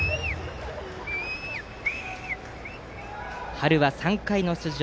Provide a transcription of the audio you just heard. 春は３回の出場